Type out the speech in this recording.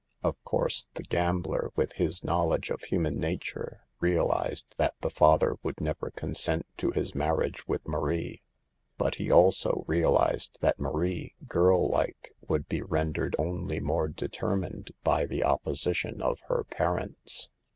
Of course the gambler, with his knowledge of human nature, realized that the father would never consent to his marriage with Marie, but he also realized that Marie, girl like, would be rendered only more determined by the opposition of her parents.